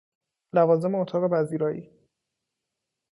لوازم اتاق پذیرایی: